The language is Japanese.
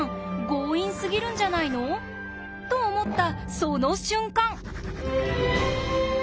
強引すぎるんじゃないの？と思ったその瞬間。